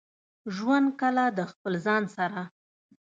ژوند کله د خپل ځان سره.